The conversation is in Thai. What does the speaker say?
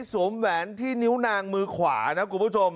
สวมแหวนที่นิ้วนางมือขวานะครับ